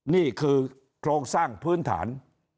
นี่คือโครงสร้างพื้นฐาน